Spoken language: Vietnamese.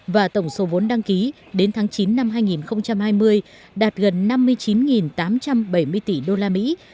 và tổng số vốn đăng ký đến tháng chín năm hai nghìn hai mươi đạt gần năm mươi chín tám trăm bảy mươi tỷ đô la mỹ